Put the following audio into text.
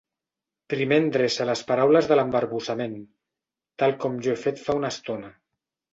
Primer endreça les paraules de l'embarbussament, tal com jo he fet fa una estona.